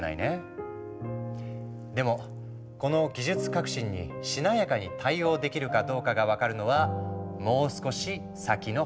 でもこの技術革新にしなやかに対応できるかどうかが分かるのはもう少し先の話。